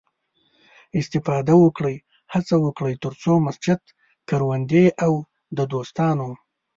استفاده وکړئ، هڅه وکړئ، تر څو مسجد، کروندې او د دوستانو